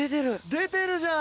出てるじゃん。